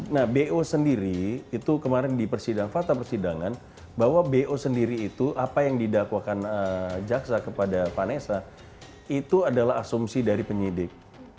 nah bo sendiri itu kemarin di persidangan fakta persidangan bahwa bo sendiri itu apa yang didakwakan jaksa kepada vanessa itu adalah asumsi dari penyidik